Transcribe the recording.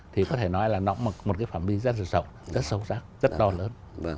thì có thể nói là nó mặc một cái phạm vi rất là sâu rất sâu sắc rất đo lớn